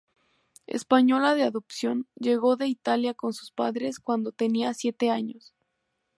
Española de adopción, llegó de Italia con sus padres cuando tenía siete años.